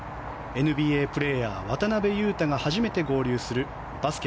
ＮＢＡプレーヤー渡邊雄太が初めて合流するバスケ